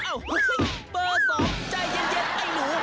อ้าวเฮ่ยเบอร์สองใจเย็นไอ้หนู